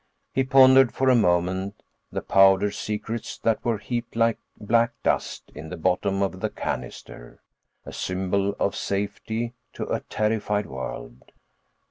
He pondered for a moment the powdered secrets that were heaped like black dust in the bottom of the canister: a symbol of safety to a terrified world.